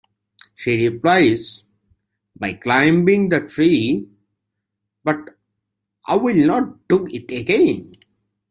She replies, "By climbing the tree, but I'll not do it again".